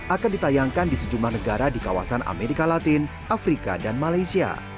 akan ditayangkan di sejumlah negara di kawasan amerika latin afrika dan malaysia